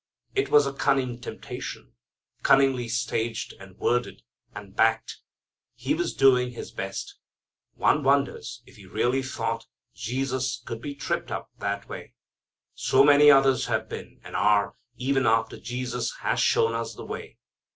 It was a cunning temptation, cunningly staged and worded and backed. He was doing his best. One wonders if he really thought Jesus could be tripped up that way. So many others have been, and are, even after Jesus has shown us the way.